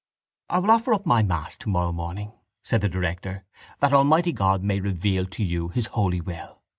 —I will offer up my mass tomorrow morning, said the director, that Almighty God may reveal to you His holy will.